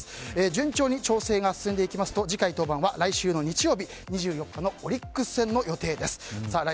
順調に調整が進んでいきますと次回登板は来週日曜日２４日のオリックス戦の予定です。